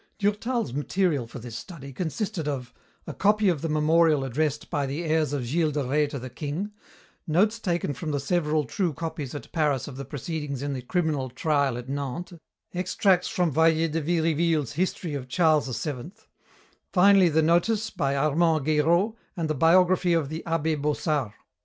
Durtal's material for this study consisted of: a copy of the memorial addressed by the heirs of Gilles de Rais to the king, notes taken from the several true copies at Paris of the proceedings in the criminal trial at Nantes, extracts from Vallet de Viriville's history of Charles VII, finally the Notice by Armand Guéraut and the biography of the abbé Bossard.